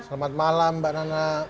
selamat malam mbak nana